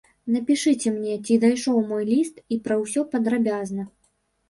Напішыце мне, ці дайшоў мой ліст, і пра ўсё падрабязна.